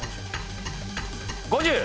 ５０。